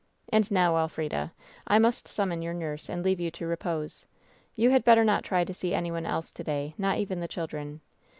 "And now, Elfrida, I must summon your nurse and leave you to repose. You had better not try to see any one else to day, not even the children.